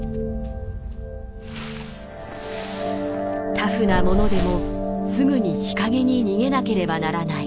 タフなものでもすぐに日陰に逃げなければならない。